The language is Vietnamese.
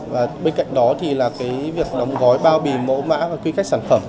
và bên cạnh đó thì là cái việc đóng gói bao bì mẫu mã và quy cách sản phẩm